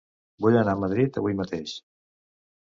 Vull anar a Madrid avui mateix.